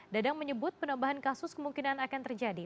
dadang menyebut penambahan kasus kemungkinan akan terjadi